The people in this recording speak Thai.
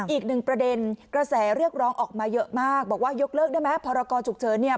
อีกหนึ่งประเด็นกระแสเรียกร้องออกมาเยอะมากบอกว่ายกเลิกได้ไหมพรกรฉุกเฉินเนี่ย